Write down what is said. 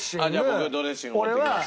僕ドレッシング持ってきます。